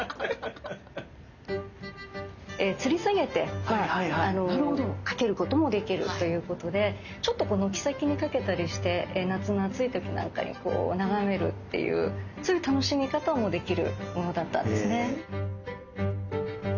つり下げて掛けることもできるということでちょっと軒先に掛けたりして夏の暑い時なんかにこう眺めるっていうそういう楽しみ方もできるものだったんですね。